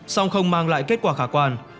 song không mang lại kết quả khả quan